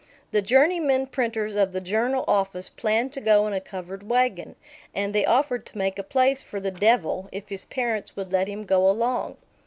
The journeymen printers of the Journal office planned to go in a covered wagon, and they offered to make a place for the "devil" if his parents would let him go along.